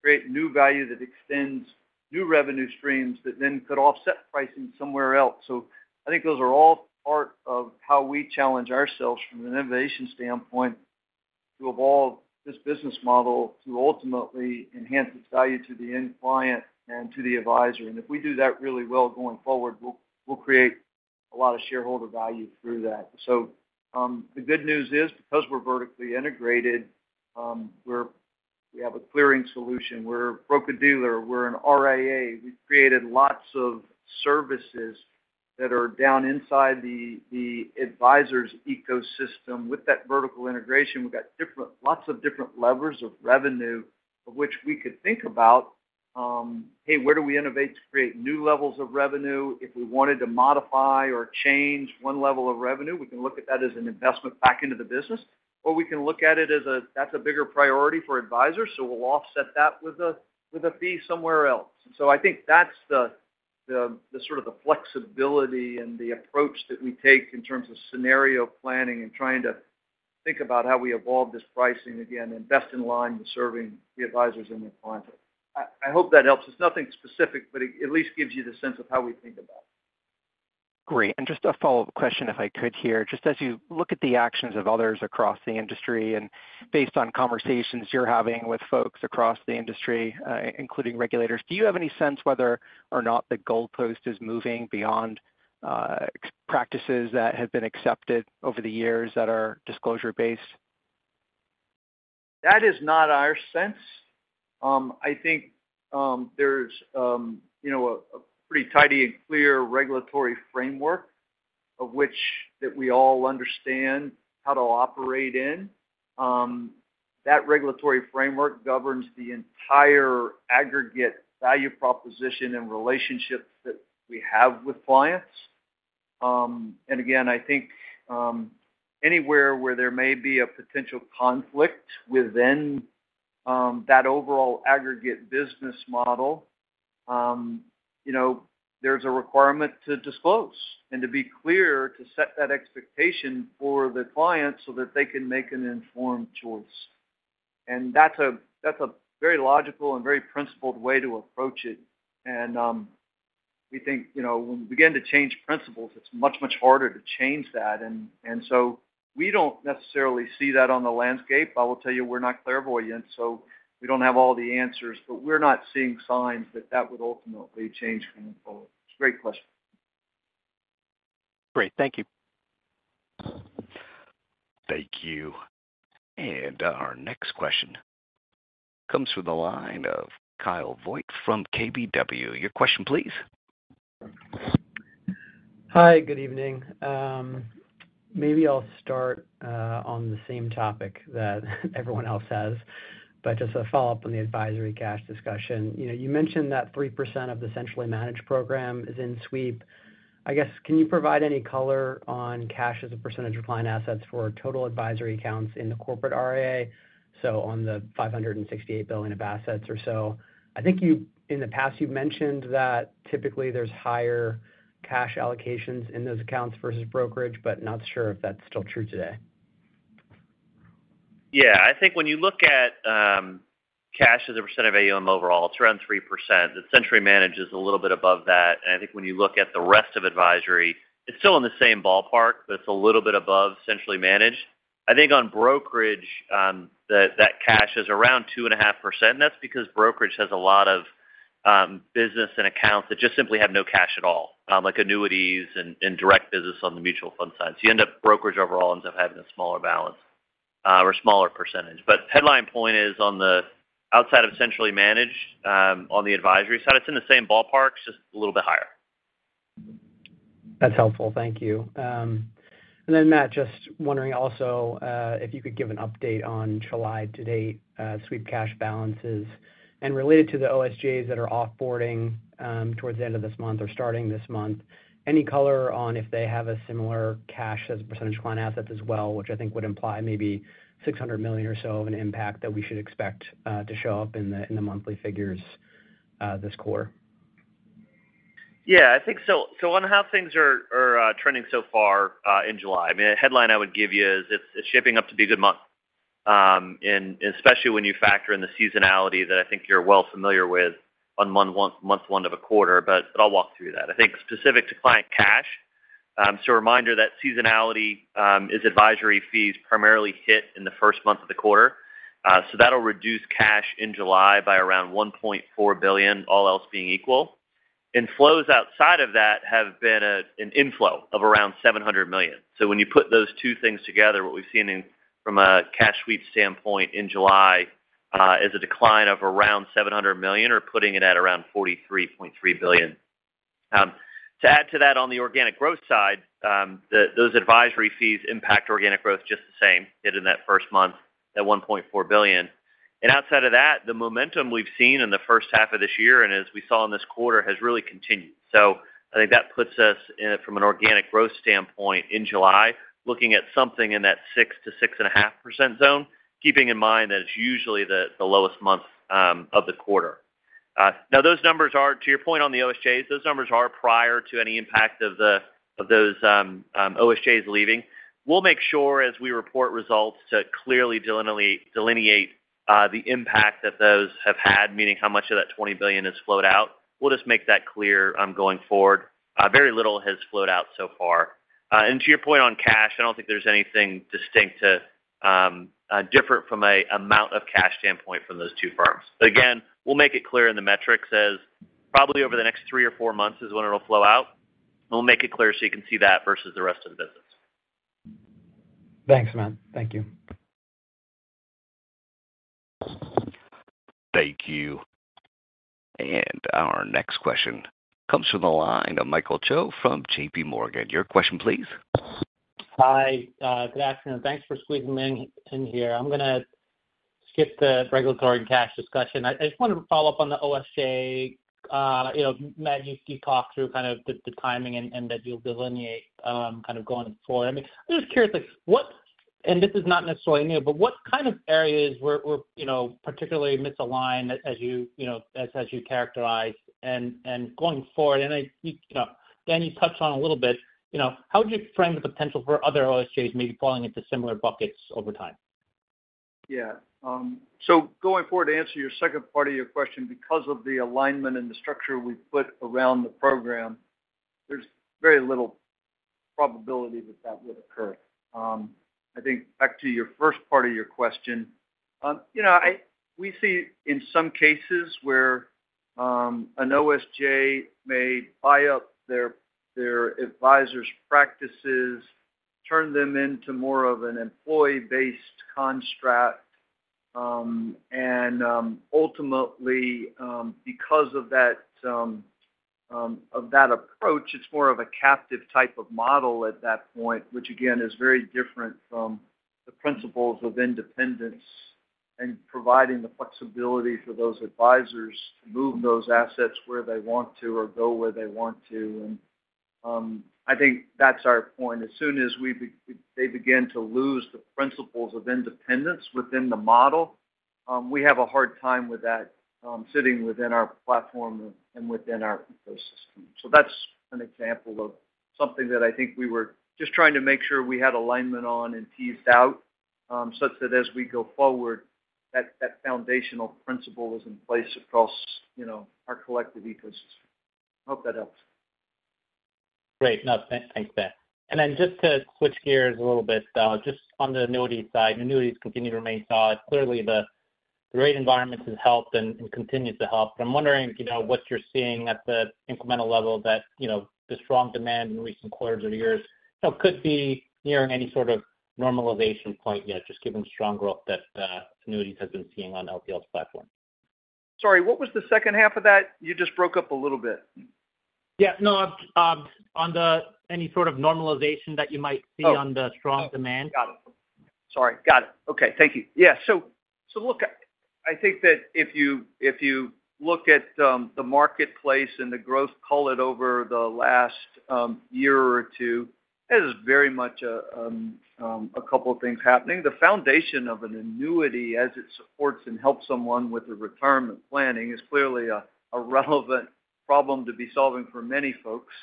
create new value that extends new revenue streams that then could offset pricing somewhere else? So I think those are all part of how we challenge ourselves from an innovation standpoint to evolve this business model to ultimately enhance its value to the end client and to the advisor. And if we do that really well going forward, we'll create a lot of shareholder value through that. So the good news is because we're vertically integrated, we have a clearing solution. We're a broker-dealer. We're an RIA. We've created lots of services that are down inside the advisors' ecosystem. With that vertical integration, we've got lots of different levers of revenue of which we could think about, "Hey, where do we innovate to create new levels of revenue?" If we wanted to modify or change one level of revenue, we can look at that as an investment back into the business, or we can look at it as a, "That's a bigger priority for advisors, so we'll offset that with a fee somewhere else." So, I think that's sort of the flexibility and the approach that we take in terms of scenario planning and trying to think about how we evolve this pricing again and best in line with serving the advisors and their clients. I hope that helps. It's nothing specific, but it at least gives you the sense of how we think about it. Great. Just a follow-up question, if I could here. Just as you look at the actions of others across the industry and based on conversations you're having with folks across the industry, including regulators, do you have any sense whether or not the goalpost is moving beyond practices that have been accepted over the years that are disclosure-based? That is not our sense. I think there's a pretty tidy and clear regulatory framework of which that we all understand how to operate in. That regulatory framework governs the entire aggregate value proposition and relationships that we have with clients. Again, I think anywhere where there may be a potential conflict within that overall aggregate business model, there's a requirement to disclose and to be clear to set that expectation for the client so that they can make an informed choice. And that's a very logical and very principled way to approach it. We think when we begin to change principles, it's much, much harder to change that. So, we don't necessarily see that on the landscape. I will tell you, we're not clairvoyant, so we don't have all the answers, but we're not seeing signs that that would ultimately change going forward. It's a great question. Great. Thank you. Thank you. And our next question comes from the line of Kyle Voigt from KBW. Your question, please. Hi. Good evening. Maybe I'll start on the same topic that everyone else has, but just a follow-up on the advisory cash discussion. You mentioned that 3% of the centrally managed program is in sweep. I guess, can you provide any color on cash as a percentage of client assets for total advisory accounts in the corporate RIA? So, on the $568 billion of assets or so, I think in the past you've mentioned that typically there's higher cash allocations in those accounts versus brokerage, but not sure if that's still true today. Yeah. I think when you look at cash as a percent of AUM overall, it's around 3%. The centrally managed is a little bit above that. I think when you look at the rest of advisory, it's still in the same ballpark, but it's a little bit above centrally managed. I think on brokerage, that cash is around 2.5%. That's because brokerage has a lot of business and accounts that just simply have no cash at all, like annuities and direct business on the mutual fund side. So, you end up brokerage overall ends up having a smaller balance or smaller percentage. Headline point is on the outside of centrally managed on the advisory side, it's in the same ballpark, just a little bit higher. That's helpful. Thank you. And then, Matt, just wondering also if you could give an update on July to date sweep cash balances. And related to the OSJs that are offboarding towards the end of this month or starting this month, any color on if they have a similar cash as a percentage of client assets as well, which I think would imply maybe $600 million or so of an impact that we should expect to show up in the monthly figures this quarter? Yeah. So on how things are trending so far in July, I mean, the headline I would give you is it's shaping up to be a good month, especially when you factor in the seasonality that I think you're well familiar with on month one of a quarter. But I'll walk through that. I think specific to client cash, it's a reminder that seasonality is advisory fees primarily hit in the first month of the quarter. So that'll reduce cash in July by around $1.4 billion, all else being equal. And flows outside of that have been an inflow of around $700 million. So when you put those two things together, what we've seen from a cash sweep standpoint in July is a decline of around $700 million or putting it at around $43.3 billion. To add to that on the organic growth side, those advisory fees impact organic growth just the same, hit in that first month at $1.4 billion. And outside of that, the momentum we've seen in the first half of this year and as we saw in this quarter has really continued. So, I think that puts us from an organic growth standpoint in July looking at something in that 6%-6.5% zone, keeping in mind that it's usually the lowest month of the quarter. Now, those numbers are, to your point on the OSJs, those numbers are prior to any impact of those OSJs leaving. We'll make sure as we report results to clearly delineate the impact that those have had, meaning how much of that $20 billion has flowed out. We'll just make that clear going forward. Very little has flowed out so far. To your point on cash, I don't think there's anything distinct or different from an amount of cash standpoint from those two firms. But again, we'll make it clear in the metrics as probably over the next 3 or 4 months is when it'll flow out. We'll make it clear so you can see that versus the rest of the business. Thanks, Matt. Thank you. Thank you. And our next question comes from the line of Michael Cho from J.P. Morgan. Your question, please. Hi. Good afternoon. Thanks for squeezing me in here. I'm going to skip the regulatory cash discussion. I just wanted to follow up on the OSJ. Matt, you talked through kind of the timing and that you'll delineate kind of going forward. I mean, I'm just curious, and this is not necessarily new, but what kind of areas were particularly misaligned as you characterized? And going forward, and Dan you touched on a little bit, how would you frame the potential for other OSJs maybe falling into similar buckets over time? Yeah. So, going forward to answer your second part of your question, because of the alignment and the structure we've put around the program, there's very little probability that that would occur. I think back to your first part of your question, we see in some cases where an OSJ may buy up their advisors' practices, turn them into more of an employee-based construct. And ultimately, because of that approach, it's more of a captive type of model at that point, which again is very different from the principles of independence and providing the flexibility for those advisors to move those assets where they want to or go where they want to. And I think that's our point. As soon as they begin to lose the principles of independence within the model, we have a hard time with that sitting within our platform and within our ecosystem. That's an example of something that I think we were just trying to make sure we had alignment on and teased out such that as we go forward, that foundational principle is in place across our collective ecosystem. I hope that helps. Great. Thanks, Matt. And then just to switch gears a little bit, just on the annuity side, annuities continue to remain solid. Clearly, the rate environment has helped and continues to help. But I'm wondering what you're seeing at the incremental level that the strong demand in recent quarters or years could be nearing any sort of normalization point yet, just given the strong growth that annuities have been seeing on LPL's platform. Sorry, what was the second half of that? You just broke up a little bit. Yeah. No, on any sort of normalization that you might see on the strong demand. Got it. Sorry. Got it. Okay. Thank you. Yeah. So, look, I think that if you look at the marketplace and the growth, call it over the last year or two, it is very much a couple of things happening. The foundation of an annuity as it supports and helps someone with their retirement planning is clearly a relevant problem to be solving for many folks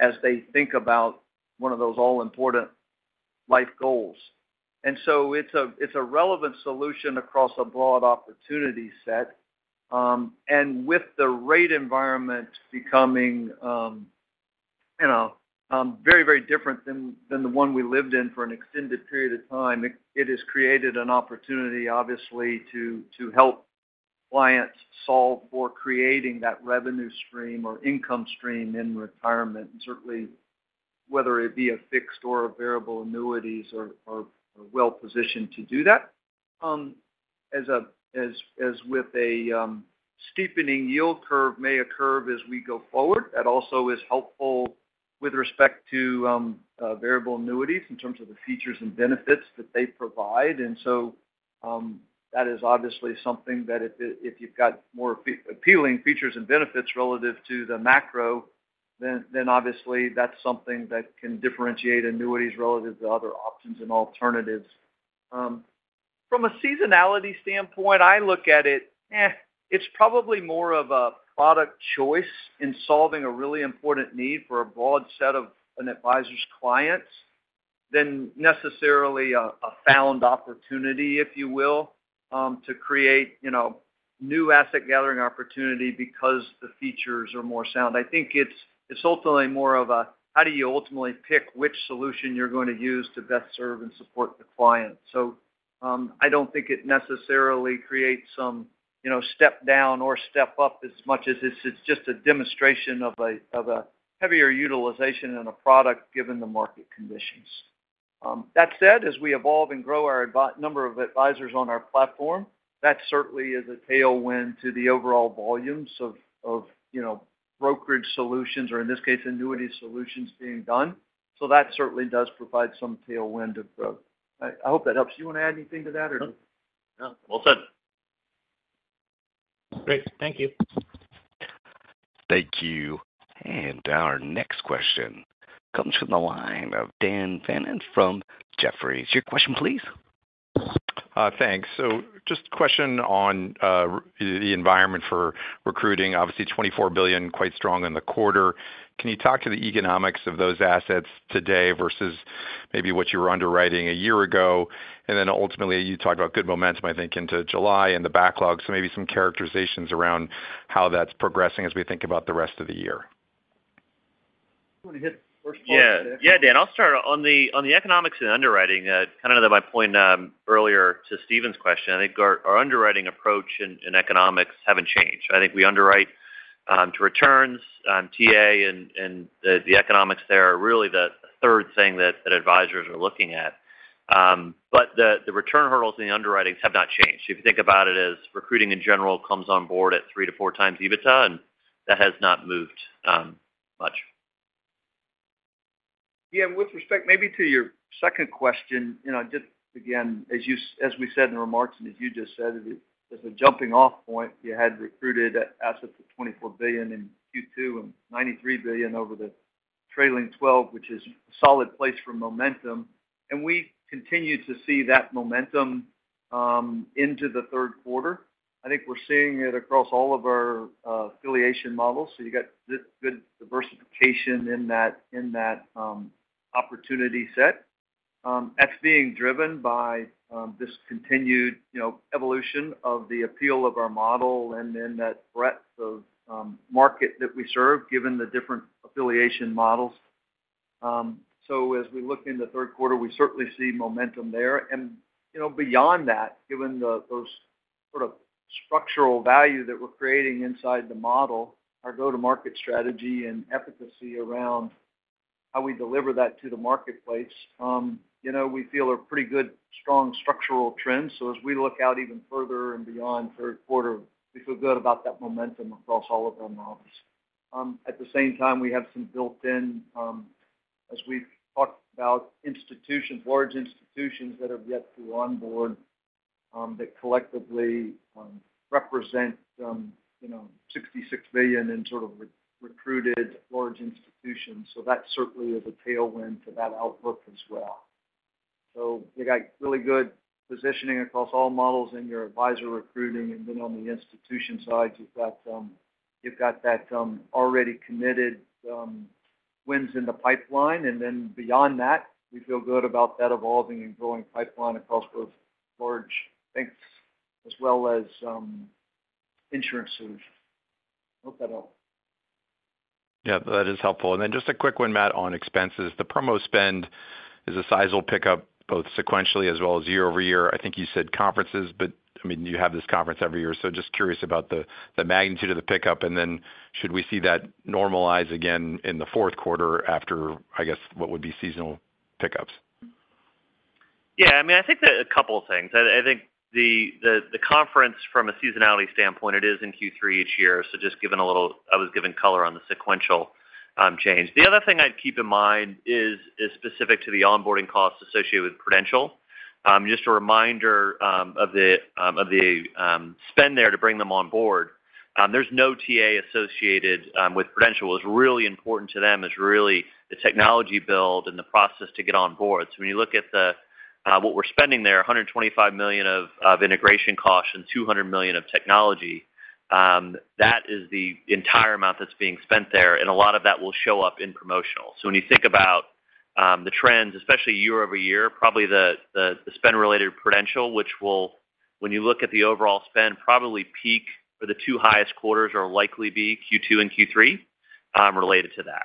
as they think about one of those all-important life goals. And so it's a relevant solution across a broad opportunity set. And with the rate environment becoming very, very different than the one we lived in for an extended period of time, it has created an opportunity, obviously, to help clients solve for creating that revenue stream or income stream in retirement, and certainly whether it be a fixed or a variable annuities are well-positioned to do that. As with a steepening yield curve may occur as we go forward, that also is helpful with respect to variable annuities in terms of the features and benefits that they provide. And so that is obviously something that if you've got more appealing features and benefits relative to the macro, then obviously that's something that can differentiate annuities relative to other options and alternatives. From a seasonality standpoint, I look at it, it's probably more of a product choice in solving a really important need for a broad set of an advisor's clients than necessarily a found opportunity, if you will, to create new asset gathering opportunity because the features are more sounder. I think it's ultimately more of a, how do you ultimately pick which solution you're going to use to best serve and support the client? So I don't think it necessarily creates some step down or step up as much as it's just a demonstration of a heavier utilization in a product given the market conditions. That said, as we evolve and grow our number of advisors on our platform, that certainly is a tailwind to the overall volumes of brokerage solutions or, in this case, annuity solutions being done. So that certainly does provide some tailwind of growth. I hope that helps. You want to add anything to that or no? No. Well said. Great. Thank you. Thank you. Our next question comes from the line of Dan Fannon from Jefferies. Your question, please. Thanks. So just a question on the environment for recruiting. Obviously, $24 billion, quite strong in the quarter. Can you talk to the economics of those assets today versus maybe what you were underwriting a year ago? And then ultimately, you talked about good momentum, I think, into July and the backlog. So maybe some characterizations around how that's progressing as we think about the rest of the year. Do you want to hit the first part? Yeah. Yeah, Dan. I'll start on the economics and underwriting. Kind of my point earlier to Steven's question, I think our underwriting approach and economics haven't changed. I think we underwrite to returns, TA, and the economics there are really the third thing that advisors are looking at. But the return hurdles in the underwritings have not changed. If you think about it as recruiting in general comes on board at 3-4 times EBITDA, and that has not moved much. Yeah. With respect maybe to your second question, just again, as we said in the remarks and as you just said, as a jumping-off point, you had recruited assets of $24 billion in Q2 and $93 billion over the trailing 12, which is a solid place for momentum. We continue to see that momentum into the third quarter. I think we're seeing it across all of our affiliation models. You got good diversification in that opportunity set. That's being driven by this continued evolution of the appeal of our model and then that breadth of market that we serve, given the different affiliation models. As we look in the third quarter, we certainly see momentum there. And beyond that, given those sort of structural value that we're creating inside the model, our go-to-market strategy and efficacy around how we deliver that to the marketplace, we feel are pretty good, strong structural trends. So as we look out even further and beyond third quarter, we feel good about that momentum across all of our models. At the same time, we have some built-in, as we've talked about, institutions, large institutions that have yet to onboard that collectively represent $66 billion in sort of recruited large institutions. So that certainly is a tailwind to that outlook as well. So you got really good positioning across all models in your advisor recruiting. And then on the institution side, you've got that already committed wins in the pipeline. And then beyond that, we feel good about that evolving and growing pipeline across those large banks as well as insurance solutions. I hope that helps. Yeah. That is helpful. And then just a quick one, Matt, on expenses. The promo spend is a sizable pickup, both sequentially as well as year-over-year. I think you said conferences, but I mean, you have this conference every year. So just curious about the magnitude of the pickup. And then should we see that normalize again in the fourth quarter after, I guess, what would be seasonal pickups? Yeah. I mean, I think a couple of things. I think the conference from a seasonality standpoint, it is in Q3 each year. So just given a little, I was given color on the sequential change. The other thing I'd keep in mind is specific to the onboarding costs associated with Prudential. Just a reminder of the spend there to bring them on board. There's no TA associated with Prudential. What's really important to them is really the technology build and the process to get on board. So when you look at what we're spending there, $125 million of integration costs and $200 million of technology, that is the entire amount that's being spent there. And a lot of that will show up in promotional. So when you think about the trends, especially year-over-year, probably the spend-related Prudential, which will, when you look at the overall spend, probably peak or the two highest quarters are likely be Q2 and Q3 related to that.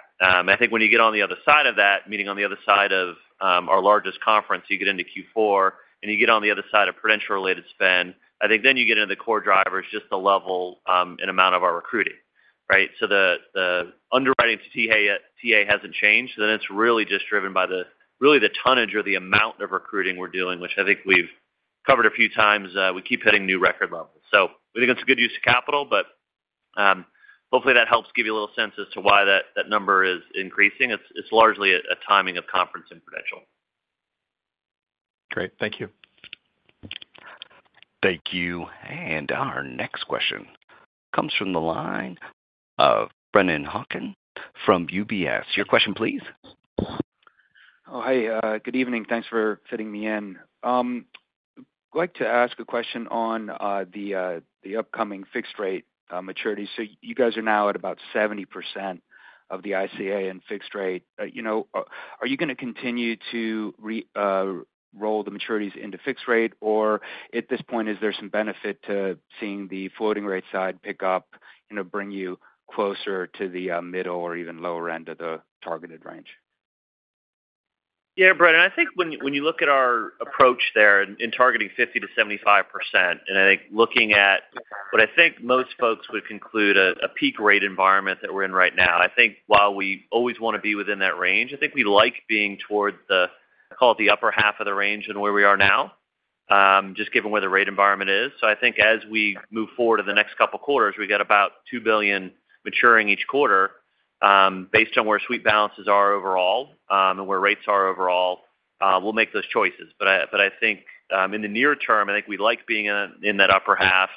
I think when you get on the other side of that, meaning on the other side of our largest conference, you get into Q4, and you get on the other side of Prudential-related spend, I think then you get into the core drivers, just the level and amount of our recruiting, right? So the underwriting to TA hasn't changed. Then it's really just driven by really the tonnage or the amount of recruiting we're doing, which I think we've covered a few times. We keep hitting new record levels. So we think it's a good use of capital, but hopefully that helps give you a little sense as to why that number is increasing. It's largely a timing of conference and Prudential. Great. Thank you. Thank you. And our next question comes from the line of Brennan Hawken from UBS. Your question, please. Oh, hi. Good evening. Thanks for fitting me in. I'd like to ask a question on the upcoming fixed-rate maturity. So you guys are now at about 70% of the ICA and fixed rate. Are you going to continue to roll the maturities into fixed rate, or at this point, is there some benefit to seeing the floating-rate side pick up, bring you closer to the middle or even lower end of the targeted range? Yeah, Brennan, I think when you look at our approach there in targeting 50%-75%, and I think looking at what I think most folks would conclude a peak rate environment that we're in right now, I think while we always want to be within that range, I think we like being toward the, I call it the upper half of the range than where we are now, just given where the rate environment is. So I think as we move forward in the next couple of quarters, we've got about $2 billion maturing each quarter based on where sweep balances are overall and where rates are overall. We'll make those choices. But I think in the near term, I think we like being in that upper half.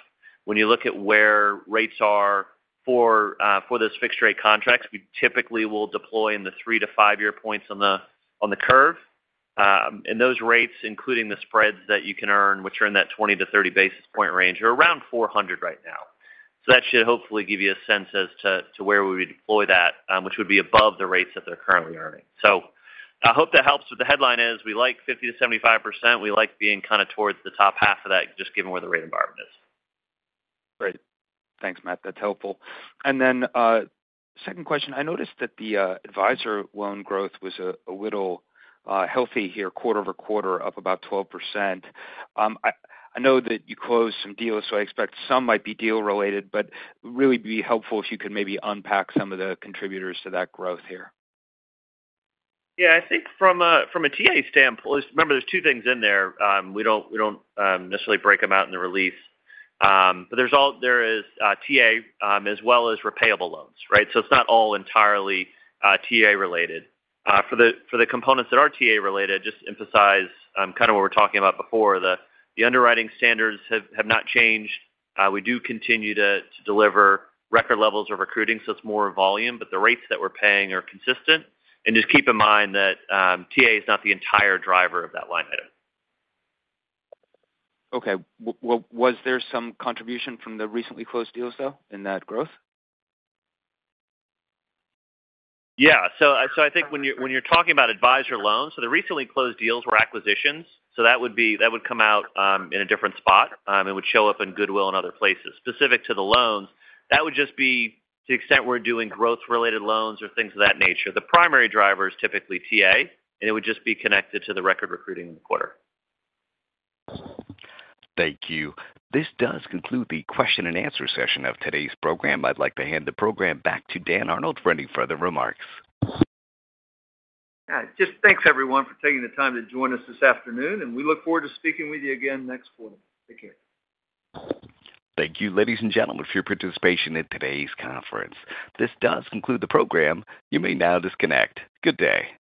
When you look at where rates are for those fixed-rate contracts, we typically will deploy in the 3- to 5-year points on the curve. And those rates, including the spreads that you can earn, which are in that 20- to 30-basis-point range, are around 400 right now. So that should hopefully give you a sense as to where we would deploy that, which would be above the rates that they're currently earning. So I hope that helps with the headline as we like 50%-75%. We like being kind of towards the top half of that, just given where the rate environment is. Great. Thanks, Matt. That's helpful. And then second question, I noticed that the advisor loan growth was a little healthy here, quarter-over-quarter, up about 12%. I know that you closed some deals, so I expect some might be deal-related, but it would really be helpful if you could maybe unpack some of the contributors to that growth here. Yeah. I think from a TA standpoint, remember there's two things in there. We don't necessarily break them out in the release. But there is TA as well as repayable loans, right? So it's not all entirely TA-related. For the components that are TA-related, just emphasize kind of what we were talking about before. The underwriting standards have not changed. We do continue to deliver record levels of recruiting, so it's more volume, but the rates that we're paying are consistent. And just keep in mind that TA is not the entire driver of that line item. Okay. Was there some contribution from the recently closed deals, though, in that growth? Yeah. So, I think when you're talking about advisor loans, so the recently closed deals were acquisitions. So that would come out in a different spot. It would show up in goodwill and other places. Specific to the loans, that would just be to the extent we're doing growth-related loans or things of that nature. The primary driver is typically TA, and it would just be connected to the record recruiting in the quarter. Thank you. This does conclude the question-and-answer session of today's program. I'd like to hand the program back to Dan Arnold for any further remarks. Yeah. Just thanks, everyone, for taking the time to join us this afternoon, and we look forward to speaking with you again next quarter. Take care. Thank you, ladies and gentlemen, for your participation in today's conference. This does conclude the program. You may now disconnect. Good day.